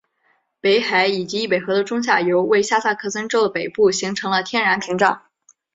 北海以及易北河的中下游为下萨克森州的北部形成了天然屏障。